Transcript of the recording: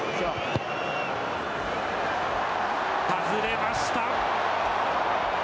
外れました。